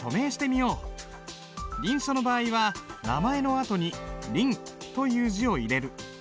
臨書の場合は名前のあとに「臨」という字を入れる。